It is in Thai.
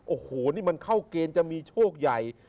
โอ้โหนี่มันเข้าเกณฑ์จะมีโชคใหญ่